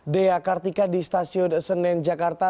diakartika di stasiun senen jakarta